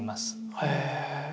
へえ。